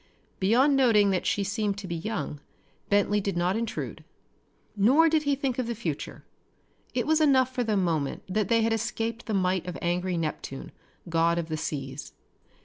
Beyond noting that she seemed to be young, Bentley did not intrude. Nor did he think of the future. It was enough for the moment that they had escaped the might of angry Neptune, god of the seas.